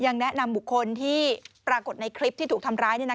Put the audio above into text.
ยังแนะนำบุคคลที่ปรากฏในคลิปที่ถูกทำร้าย